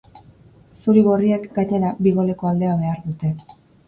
Zuri-gorriek, gainera, bi goleko aldea behar dute.